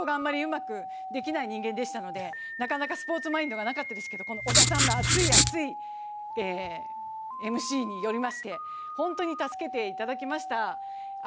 そして私は、運動があまりうまくできない人間でしたのでなかなかスポーツマインドがなかったですけれども、織田さんの熱い熱いＭＣによりまして本当に助けていただきました。